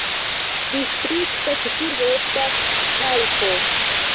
Distrikta ĉefurbo estas Ĥajfo.